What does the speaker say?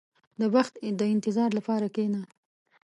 • د بخت د انتظار لپاره کښېنه.